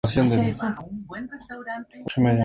Existen planes para una restauración del edificio.